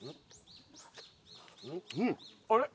あれ？